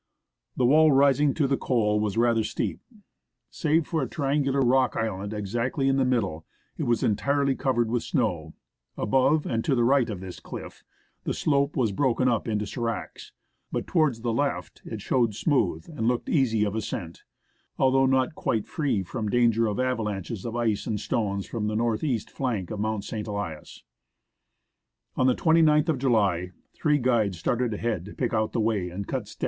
The wall rising to the ^^/ was rather steep. Save 144 o NEWTON GLACIER for a triangular rock island exactly in the middle, it was entirely covered with snow ; above, and to the right of this cliff, the slope was broken up into sdracs ; but towards the left it showed smooth, and looked easy of ascent, although not quite free from danger of avalanches of ice and stones from the north east flank of Mount St. Elias, MOUNT ST. ELIAS, FROM THE THIRD NEWTON CASCADE.